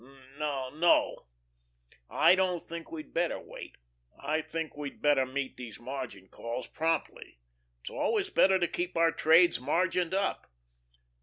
"N no, I don't think we'd better wait. I think we'd better meet these margin calls promptly. It's always better to keep our trades margined up."